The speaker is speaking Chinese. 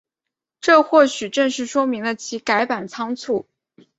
这或许正是说明了其改版仓促。